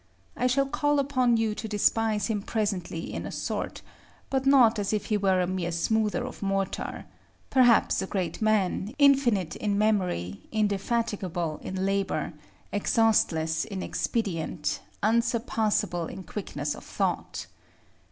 I shall call upon you to despise him presently in a sort, but not as if he were a mere smoother of mortar; perhaps a great man, infinite in memory, indefatigable in labor, exhaustless in expedient, unsurpassable in quickness of thought.